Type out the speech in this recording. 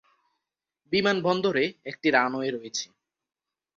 বিমানবন্দরে একটি রানওয়ে রয়েছে।